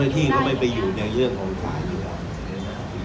เจ้าหน้าที่ก็ไม่ไปอยู่ในเรื่องของสารอยู่แล้ว